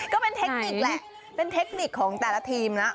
ก็เป็นเทคนิคแหละเป็นเทคนิคของแต่ละทีมนะ